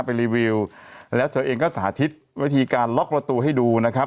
รีวิวแล้วเธอเองก็สาธิตวิธีการล็อกประตูให้ดูนะครับ